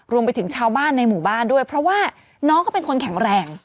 รวมไปถึงชาวบ้านในหมู่บ้านด้วยเพราะว่าน้องก็เป็นคนแข็งแรง